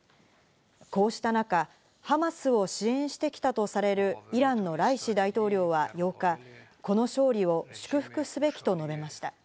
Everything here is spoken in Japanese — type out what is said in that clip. こうした中、ハマスを支援してきたとされる、イランのライシ大統領は８日、この勝利を祝福すべきと述べました。